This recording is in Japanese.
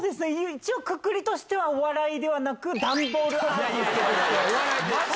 一応くくりとしてはお笑いではなく。